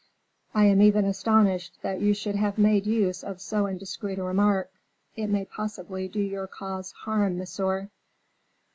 I am even astonished that you should have made use of so indiscreet a remark. It may possibly do your cause harm, monsieur."